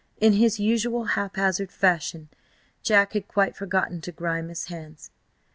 In his usual haphazard fashion, Jack had quite forgotten to grime his hands.